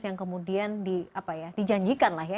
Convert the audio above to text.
yang kemudian dijanjikan lah ya